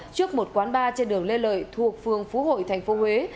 trước một quán bar trên đường lê lợi thuộc phường phú hội tp huế